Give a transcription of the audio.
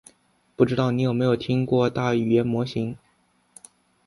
不知道你有没有听过大语言模型？